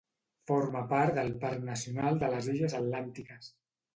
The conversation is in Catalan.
Forma part del Parc Nacional de les Illes Atlàntiques.